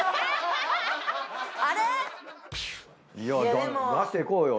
いや出していこうよ。